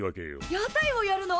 屋台をやるの？